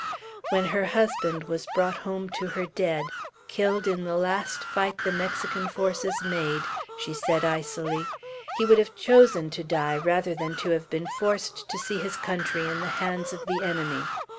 When her husband was brought home to her dead, killed in the last fight the Mexican forces made, she said icily, "He would have chosen to die rather than to have been forced to see his country in the hands of the enemy."